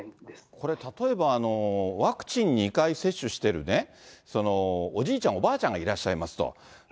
これ例えば、ワクチン２回接種してるおじいちゃん、おばあちゃんがいらっしゃいますと。